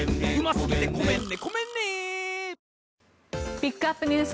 ピックアップＮＥＷＳ